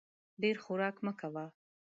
ډېر خوراک مه کوه !